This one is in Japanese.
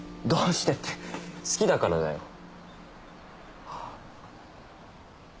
どうしてって好きだからだよ。